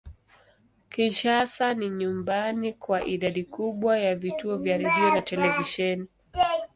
Kinshasa ni nyumbani kwa idadi kubwa ya vituo vya redio na televisheni.